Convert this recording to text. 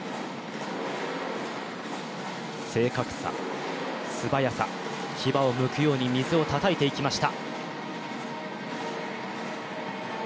正確さ、素早さ、牙をむくように水をたたいていきました。